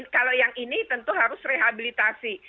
kalau yang ini tentu harus rehabilitasi